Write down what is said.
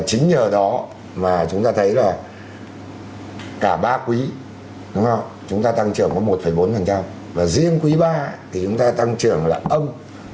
chính nhờ đó mà chúng ta thấy là cả ba quý đúng không chúng ta tăng trưởng có một bốn và riêng quý ba thì chúng ta tăng trưởng là âm sáu hai